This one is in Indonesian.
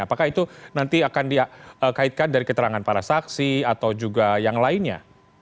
apakah itu nanti akan dikaitkan dari keterangan para saksi atau juga yang lainnya